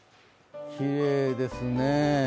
きれいですね。